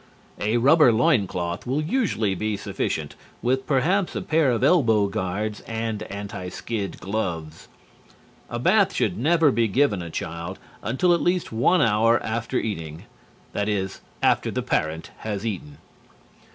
_ A rubber loin cloth will usually be sufficient, with perhaps a pair of elbow guards and anti skid gloves. A bath should never be given a child until at least one hour after eating (that is, after the parent has eaten).